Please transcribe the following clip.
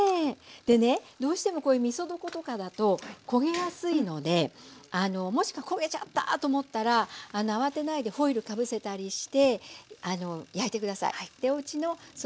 でねどうしてもこういうみそ床とかだと焦げやすいのでもし焦げちゃったと思ったら慌てないでホイルかぶせたりして焼いて下さい。